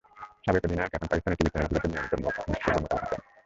সাবেক অধিনায়ক এখন পাকিস্তানের টিভি চ্যানেলগুলোতে নিয়মিত মুখ, বিশেষজ্ঞ মতামত দেন।